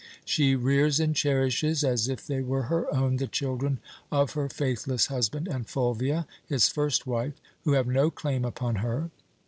She rears and cherishes, as if they were her own, the children of her faithless husband and Fulvia, his first wife, who have no claim upon her.